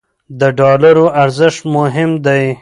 د ډالرو ارزښت مهم دی.